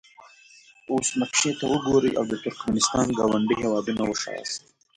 اوس نقشې ته وګورئ او د ترکمنستان ګاونډي هیوادونه وښایاست.